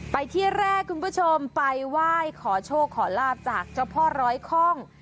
ไปที่แรกคุณผู้ชมไปไหว้ขอโชคขอลาบจากเจ้าพ่อร้อยคล่อง